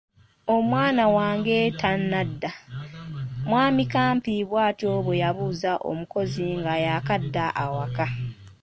“Omwana wange tannadda? ” mwami Kampi bw’atyo bwe yabuuza omukozi nga yaakadda awaka.